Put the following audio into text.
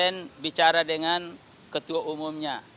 tidak saya tidak bisa bicara dengan ketua umumnya